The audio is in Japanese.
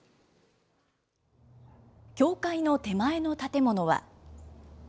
教会の手前の建物は。